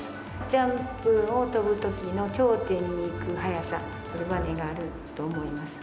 ジャンプを跳ぶときの頂点にいく速さ、ばねがあると思います。